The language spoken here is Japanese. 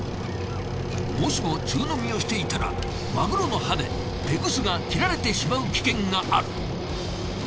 もしも中飲みをしていたらマグロの歯でテグスが切られてしまう危険がある。